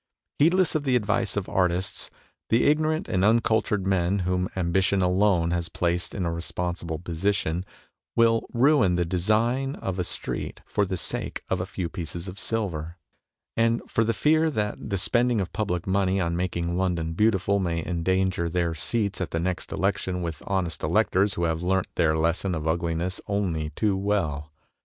Heedless of the advice of artists, the ignorant and uncultured men whom am bition alone has placed in a responsible position, will ruin the design of a street for the sake of a few pieces of silver, and for THE TYRANNY OF THE UGLY 23 the fear that the spending of public money on making London beautiful may endanger their seats at the next election with honest electors who have learnt their lesson of ugli ness only too well.